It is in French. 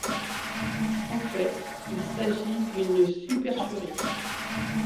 En fait, il s'agit d'une supercherie.